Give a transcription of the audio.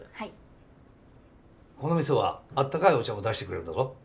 この店はあったかいお茶も出してくれるんだぞ。